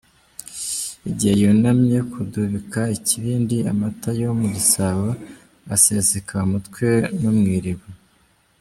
Igihe yunamye kudubika ikibindi, amata yo mu gisabo aseseka mu mutwe no mu iriba.